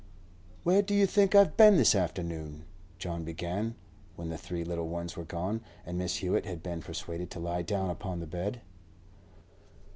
'Where do you think I've been this afternoon?' John began, when the three little ones were gone, and Mrs. Hewett had been persuaded to lie down upon the bed.